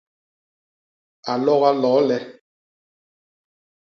A loga loo le!